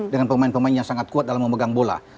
dengan pemain pemain yang sangat kuat dalam memegang bola